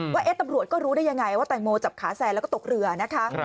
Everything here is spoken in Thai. ว่าตำรวจก็รู้ได้ยังไงว่าแตงโมจับขาแซนแล้วก็ตกเรือนะคะ